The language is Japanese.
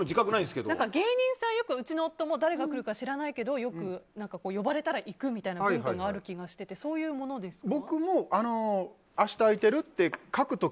芸人さん、よくうちの夫も知らないけどよく呼ばれたら行く文化がある気がしてそういうものですか？